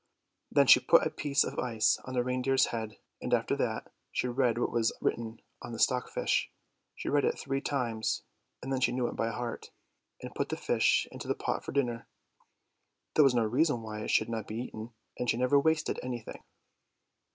Then she put a piece of ice on the reindeer's head, and after that she read what was written on the stock fish. She read it three times, and then she knew it by heart, and put the fish into the pot for dinner; there was no reason why it should not be eaten, and she never wasted anything.